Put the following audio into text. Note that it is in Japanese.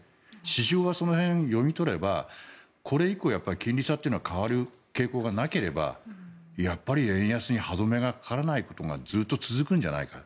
市場はその辺を読み取ればこれ以降、金利差っていうのは変わる傾向がなければやっぱり円安に歯止めがかからないことがずっと続くんじゃないか。